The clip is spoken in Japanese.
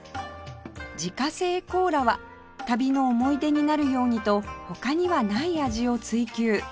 自家製コーラは旅の思い出になるようにと他にはない味を追求